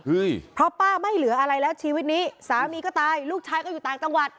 เพราะป้าไม่เหลืออะไรแล้วชีวิตนี้สามีก็ตายลูกชายก็อยู่ต่างจังหวัด